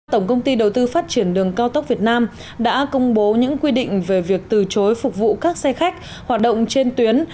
tổng công ty đầu tư phát triển đường cao tốc việt nam đã công bố những quy định về việc từ chối phục vụ các xe khách hoạt động trên tuyến